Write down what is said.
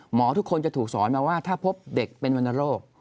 ทุกคนจะถูกสอนมาว่าถ้าพบเด็กเป็นวรรณโรค